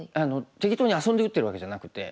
適当に遊んで打ってるわけじゃなくて。